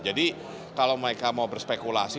jadi kalau mereka mau berspekulasi